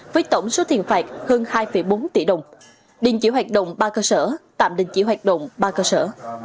với tổng số tiền phạt hơn hai bốn tỷ đồng đình chỉ hoạt động ba cơ sở tạm đình chỉ hoạt động ba cơ sở